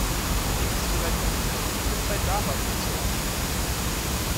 Ihm ist vielleicht eine Pyramide bei Dara zuzuordnen.